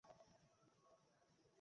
সাত হাজার বছর।